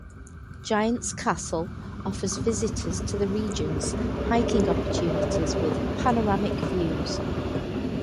Giants Castle offers visitors to the regions hiking opportunities with panoramic views.